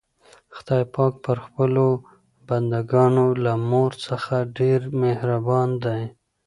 خدای پاک پر خپلو بندګانو له مور څخه ډېر مهربان دی.